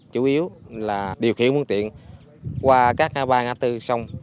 chủ yếu là điều khiển phương tiện qua các ba ngã tư sông